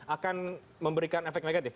akan memberikan efek negatif